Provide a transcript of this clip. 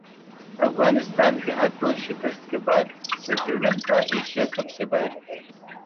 افغانستان کے ہاتھوں شکست کے بعد سری لنکا ایشیا کپ سے باہر